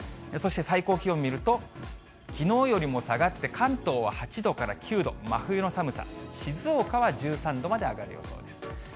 そして、最高気温見ると、きのうよりも下がって関東は８度から９度、真冬の寒さ、静岡は１３度まで上がる予想です。